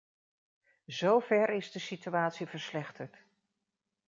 Zo ver is de situatie verslechterd.